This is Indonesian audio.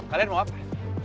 kalian mau apa